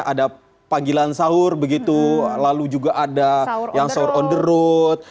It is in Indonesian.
ada panggilan sahur begitu lalu juga ada yang sahur on the road